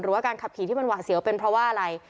ว่าการขับขี่ที่มันหวาดเสียวเป็นเพราะว่าอะไร